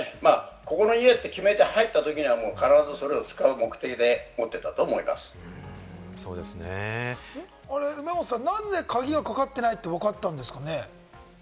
ここの家って決めて入ったときには、もう必ずそれを使う目的で持梅本さん、なんで鍵がかかってないってわかったんですかね？